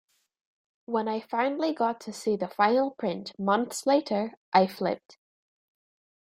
When I finally got to see the final print months later, I flipped.